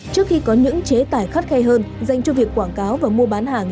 trước khi có những chế tải khắt khe hơn dành cho việc quảng cáo và mua bán hàng